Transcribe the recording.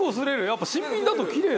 やっぱ新品だとキレイ。